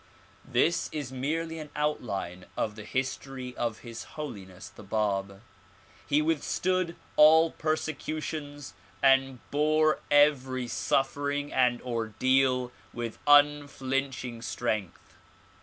This is merely an outline of the history of His Holiness the Bab. He withstood all persecutions and bore every suffering and ordeal with unflinching strength.